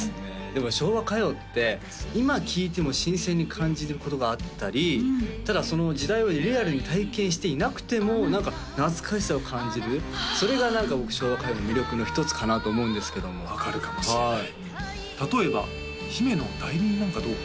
でも昭和歌謡って今聴いても新鮮に感じることがあったりただその時代をリアルに体験していなくても何か懐かしさを感じるそれが僕昭和歌謡の魅力の一つかなと思うんですけども分かるかもしれない例えば姫の代理人なんかどう？